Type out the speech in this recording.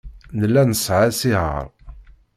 Nella nesɛa asihaṛ.